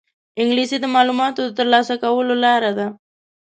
انګلیسي د معلوماتو د ترلاسه کولو لاره ده